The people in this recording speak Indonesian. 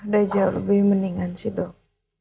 dia jauh lebih mendingan sih dok